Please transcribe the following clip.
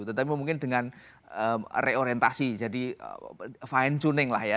tetapi mungkin dengan reorientasi jadi fine tuning lah ya